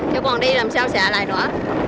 nếu còn đi làm sao xả lại nữa